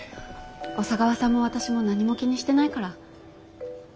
小佐川さんも私も何も気にしてないから。